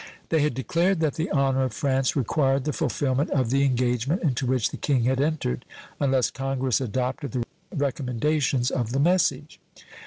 They had declared that the honor of France required the fulfillment of the engagement into which the King had entered, unless Congress adopted the recommendations of the message.